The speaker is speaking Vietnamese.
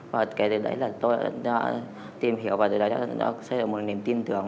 và từ đấy là tôi đã tìm hiểu và từ đấy nó xây dựng một niềm tin tưởng